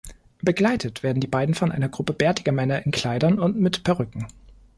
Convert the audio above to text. Begleitet werden die beiden von einer Gruppe bärtiger Männer in Kleidern und mit Perücken.